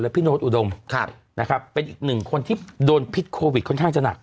พี่โน๊ตอุดมนะครับเป็นอีกหนึ่งคนที่โดนพิษโควิดค่อนข้างจะหนัก